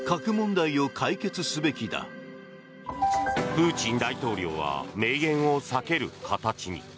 プーチン大統領は明言を避ける形に。